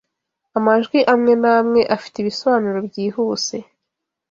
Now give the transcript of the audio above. Amajwi amwe amwe afite ibisobanuro byihuse